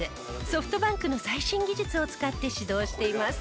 ソフトバンクの最新技術を使って指導しています。